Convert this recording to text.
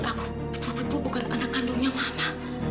aku betul betul bukan anak kandungnya mama